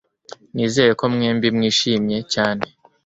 Nizere ko mwembi mwishimye cyane